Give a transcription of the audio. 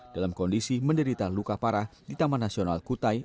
dalam kondisi menderita luka parah di taman nasional kutai